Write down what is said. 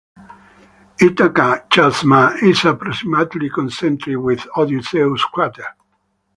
Ithaca Chasma is approximately concentric with Odysseus crater.